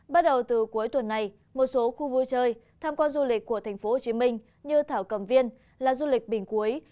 bắt đầu từ cuối tuần này một số khu vui chơi tham quan du lịch của tp hcm như thảo cầm viên là du lịch bình cuối